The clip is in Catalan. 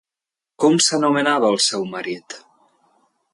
Com s'anomenava el seu marit?